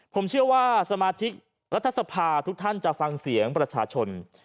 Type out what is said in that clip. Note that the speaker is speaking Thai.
ผมเชื่อว่าสมาชิกรัฐสภาทุกท่านจะฟังเสียงประชาชน